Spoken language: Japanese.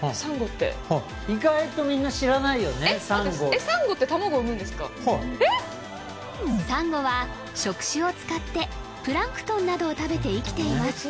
はいサンゴは触手を使ってプランクトンなどを食べて生きています